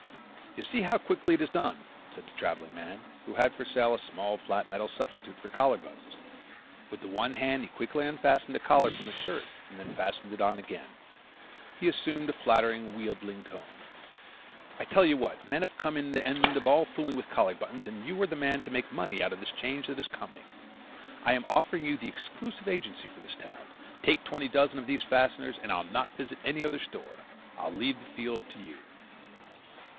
"You see how quickly it is done," said the traveling man, who had for sale a small flat metal substitute for collar buttons. With one hand he quickly unfastened a collar from his shirt and then fastened it on again. He assumed a flattering wheedling tone. "I tell you what, men have come to the end of all this fooling with collar buttons and you are the man to make money out of the change that is coming. I am offering you the exclusive agency for this town. Take twenty dozen of these fasteners and I'll not visit any other store. I'll leave the field to you."